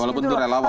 walaupun itu relawan